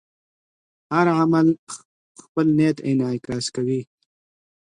هر عمل خپل نیت انعکاس کوي.